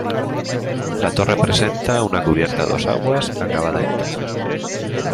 La torre presenta una cubierta a dos aguas acabada en teja.